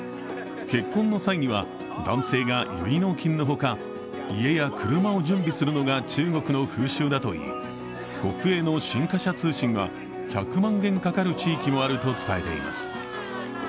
結婚の際には男性が結納金のほか家や車を準備するのが中国の風習だといい、国営の新華社通信は１００万元かかる地域もあると伝えています。